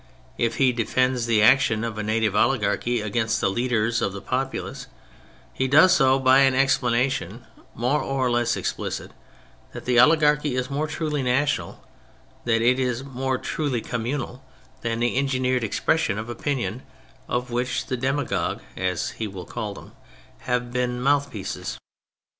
If he defends the action of a native oligarchy against the leaders of the populace, he does so by an explanation (more or less explicit) that the oligarchy is more truly national, that is more truly com munal, than the engineered expression of opinion of which the demagogues (as he will call them) have been the mouthpieces.